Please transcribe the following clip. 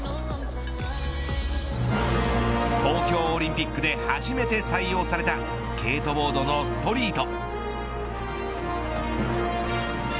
東京オリンピックで初めて採用されたスケートボードのストリート。